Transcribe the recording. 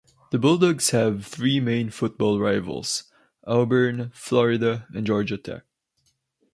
The Bulldogs have three main football rivals: Auburn, Florida, and Georgia Tech.